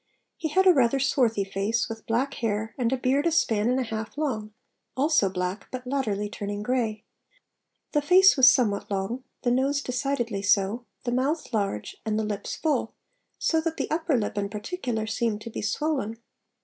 He had a rather swarthy face, with black hair, and a beard a span and a half long, also black, but latterly turning grey. The face was somewhat long, the nose decidedly so, the mouth large, and the lips full, so that the upper lip in particular seemed to be swollen.